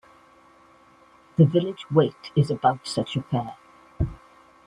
The Village Wait is about such a fair.